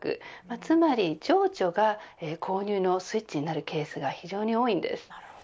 つまり情緒が購入のスイッチになるケースが非常に多いんです。